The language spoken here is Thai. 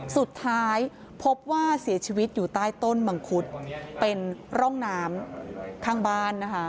สุดท้ายพบว่าเสียชีวิตอยู่ใต้ต้นมังคุดเป็นร่องน้ำข้างบ้านนะคะ